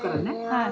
はい。